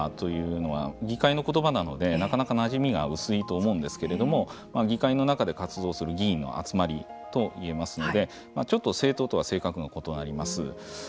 会派というのは議会の言葉なのでなかなか、なじみが薄いと思うんですけれども議会の中で活動する議員の集まりといえますのでちょっと政党とは性格が異なります。